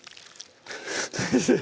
先生